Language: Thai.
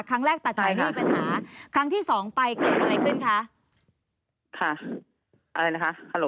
ตั้งแต่ตัดไปไม่มีปัญหาครั้งที่สองไปเกิดอะไรขึ้นคะค่ะอะไรนะคะ